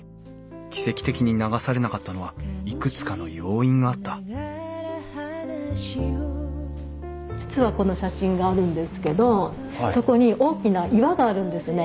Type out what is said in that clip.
奇跡的に流されなかったのはいくつかの要因があった実はこの写真があるんですけどそこに大きな岩があるんですね。